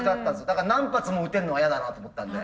だから何発も打てるのは嫌だなと思ったんで。